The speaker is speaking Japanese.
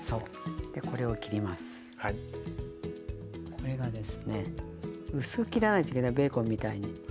これがですね薄く切らないといけないベーコンみたいに。